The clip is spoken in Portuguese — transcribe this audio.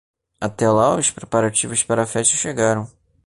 Até lá os preparativos para a festa chegaram.